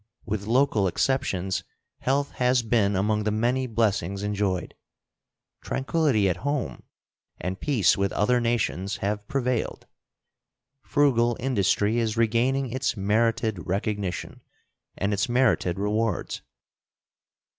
With local exceptions, health has been among the many blessings enjoyed. Tranquillity at home and peace with other nations have prevailed. Frugal industry is regaining its merited recognition and its merited rewards.